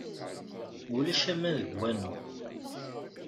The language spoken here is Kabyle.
Ulac aman deg wanu.